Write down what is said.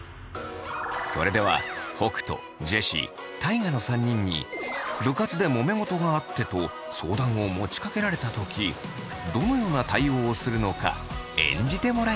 それでは北斗ジェシー大我の３人に部活でもめ事があってと相談を持ちかけられた時どのような対応をするのか演じてもらいます。